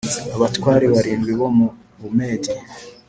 Abatware barindwi bo mu Bumedi